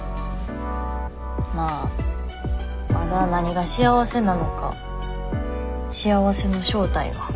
まあまだ何が幸せなのか幸せの正体が。